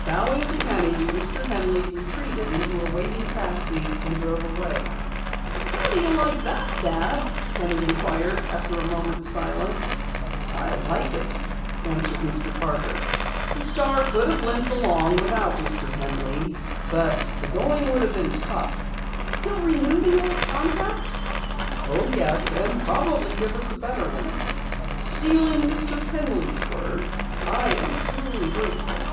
Bowing to Penny, Mr. Henley retreated into a waiting taxi and drove away. "How do you like that, Dad?" Penny inquired after a moment's silence. "I like it," answered Mr. Parker. "The Star could have limped along without Mr. Henley. But the going would have been tough." "He'll renew the old contract?" "Oh, yes, and probably give us a better one. Stealing Mr. Henley's words, I am truly grateful."